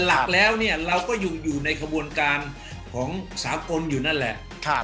หลักแล้วเนี่ยเราก็อยู่ในขบวนการของสากลอยู่นั่นแหละ